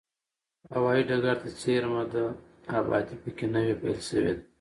هوایي ډګر ته څېرمه ده، ابادي په کې نوې پیل شوې ده.